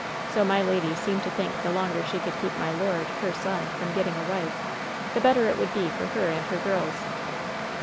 So my lady seemed to think the longer she could keep my lord, her son, from getting a wife, the better it would be for her and hep girls.